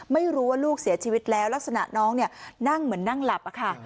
ไม่รู้ว่าลูกเสียชีวิตแล้วลักษณะน้องเนี่ยนั่งเหมือนนั่งหลับอะค่ะ